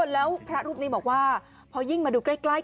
แล้วพระรูปนี้บอกว่าพอยิ่งมาดูใกล้